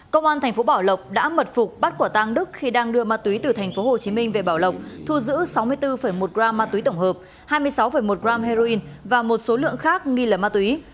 công an tp bảo lộc đã mật phục bắt quả tang đức khi đang đưa ma túy từ tp hồ chí minh về bảo lộc thu giữ sáu mươi bốn một g ma túy tổng hợp hai mươi sáu một g heroin và một số lượng khác nghi là ma túy